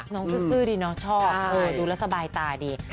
น้องซื้อดีเนอะชอบดูแล้วสบายตาดี